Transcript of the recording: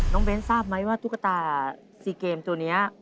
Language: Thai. เบ้นทราบไหมว่าตุ๊กตาซีเกมตัวนี้